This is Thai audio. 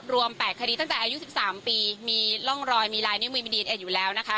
๘คดีตั้งแต่อายุ๑๓ปีมีร่องรอยมีลายนิ้วมือมีดีเอนอยู่แล้วนะคะ